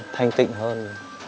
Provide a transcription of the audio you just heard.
thanh tịnh hơn